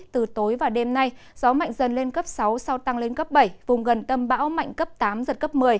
từ tối và đêm nay gió mạnh dần lên cấp sáu sau tăng lên cấp bảy vùng gần tâm bão mạnh cấp tám giật cấp một mươi